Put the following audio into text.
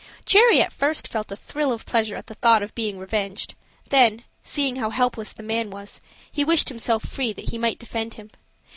Cherry at first felt a thrill of pleasure at the thought of being revenged; then, seeing how helpless the man was, he wished himself free, that he might defend him.